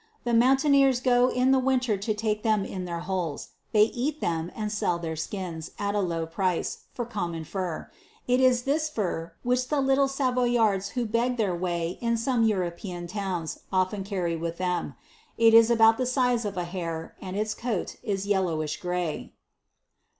The moun taineers go in the winter to take them in their holes ; they eat them and sell their skins, at a low price, for common fur ; it is this fur which the little Savoyards who beg their way in some European towns, often carry with them. It is about the size of a hare, and its coat is yellowish gray.